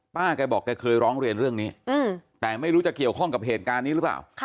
แกบอกแกเคยร้องเรียนเรื่องนี้แต่ไม่รู้จะเกี่ยวข้องกับเหตุการณ์นี้หรือเปล่า